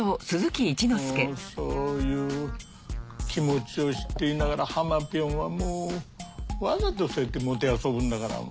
もうそういう気持ちを知っていながらハマピョンはもうわざとそうやって弄ぶんだから。